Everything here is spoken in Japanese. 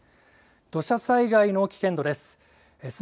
土砂災害の危険度です。